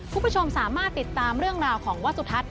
คุณผู้ชมสามารถติดตามเรื่องราวของวัสสุทัศน